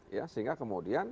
ya sehingga kemudian